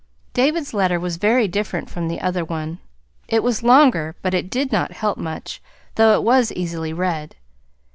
David's letter was very different from the other one. It was longer, but it did not help much, though it was easily read.